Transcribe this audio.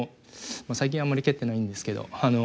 まあ最近あまり蹴ってないんですけど。